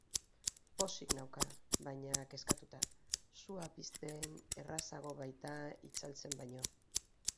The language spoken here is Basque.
Pozik nauka, baina kezkatuta, sua pizten errazago baita itzaltzen baino.